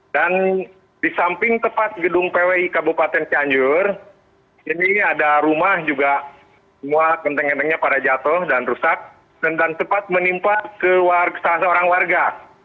dan di samping tepat gedung pwi kabupaten ancian anjur ini ada rumah juga semua genting gentingnya pada jatuh dan rusak dan tepat menimpa ke salah seorang warga